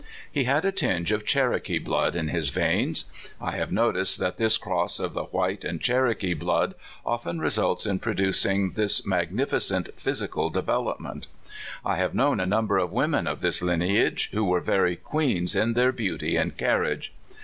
He had a tinge of Cherokee blood in his veins. I have noticed that this cross of the white and Cherokee blood often results in producing this magnificent physical de velopment. I have known a number of women of this lineage, who were very queens in their beauty and carriage.